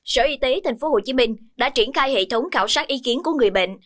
sở y tế thành phố hồ chí minh đã triển khai hệ thống khảo sát ý kiến của người bệnh